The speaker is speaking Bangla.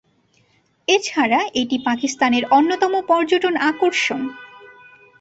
এছাড়া এটি পাকিস্তানের অন্যতম পর্যটন আকর্ষণ।